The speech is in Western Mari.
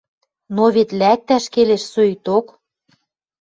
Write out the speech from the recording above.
Но вет лӓктӓш келеш соикток.